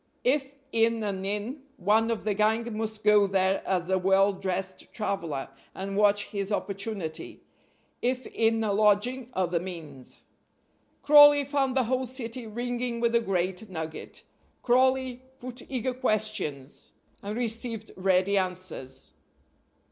If in an inn, one of the gang must go there as a well dressed traveler, and watch his opportunity. If in a lodging, other means. Crawley found the whole city ringing with the great nugget. Crawley put eager questions, and received ready answers.